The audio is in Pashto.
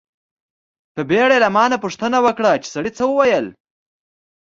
په بیړه یې له ما نه پوښتنه وکړه چې سړي څه و ویل.